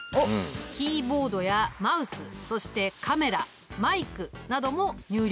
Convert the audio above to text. キーボードやマウスそしてカメラマイクなども入力装置だ。